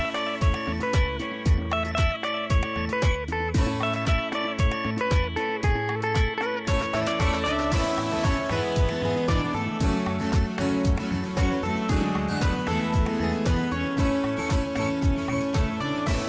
สวัสดีครับ